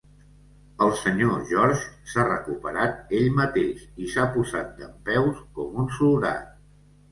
El Sr. George s"ha recuperat ell mateix i s"ha posat dempeus com un soldat.